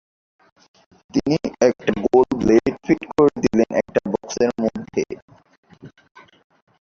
তিনি একটা গোল ব্লেড ফিট করে দিলেন একটা বক্সের মধ্যে।